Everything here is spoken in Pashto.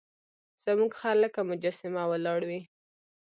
زموږ خر لکه مجسمه ولاړ وي.